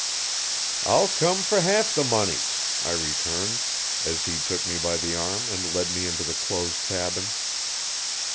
"I'll come for half the money," I returned, as he took me by the arm and led me into the close cabin.